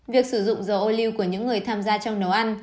việc sử dụng dầu ô lưu của những người tham gia trong nấu ăn